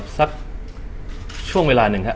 สักช่วงเวลาหนึ่งครับ